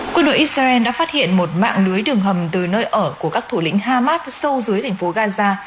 quân đội israel đã phát hiện một mạng lưới đường hầm từ nơi ở của các thủ lĩnh hamas sâu dưới thành phố gaza